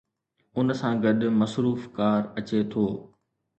ان سان گڏ "مصروف ڪار" اچي ٿو.